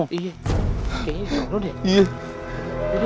kayaknya disuruh deh